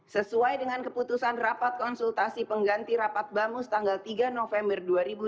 sesuai dengan keputusan rapat konsultasi pengganti rapat bamus tanggal tiga november dua ribu dua puluh